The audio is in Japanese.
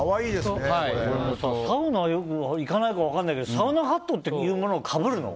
サウナ、行かないからよく分からないけどサウナハットというものをかぶるの？